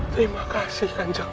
terima kasih kanjar